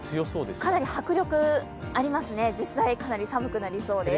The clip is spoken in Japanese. かなり迫力ありますね、実際、かなり寒くなりそうです。